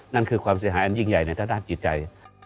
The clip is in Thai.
นั่นคือความเสียหายอันยิ่งใหญ่ในทางด้านจิตใจ